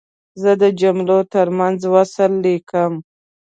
زه د جملو ترمنځ وصل لیکم.